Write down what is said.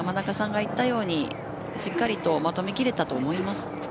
それでもしっかりとまとめきれたと思います。